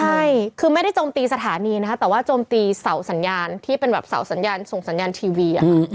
ใช่คือไม่ได้โจมตีสถานีนะคะแต่ว่าโจมตีเสาสัญญาณที่เป็นแบบเสาสัญญาณส่งสัญญาณทีวี